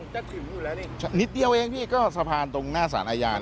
จะติดอยู่แล้วนี่นิดเดียวเองสะพานตรงหน้าศาลัยา